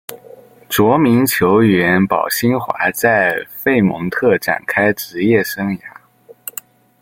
着名球员保辛华在费蒙特展开职业生涯。